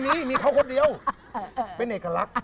มีมีเขาคนเดียวเป็นเอกลักษณ์